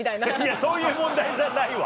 そういう問題じゃないわ。